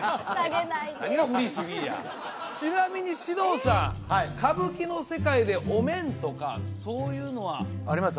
何がフリスビーやちなみに獅童さんはい歌舞伎の世界でお面とかそういうのはあります